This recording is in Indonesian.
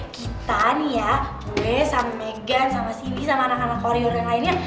kita nih ya gue sama megan sama sini sama anak anak koridor yang lainnya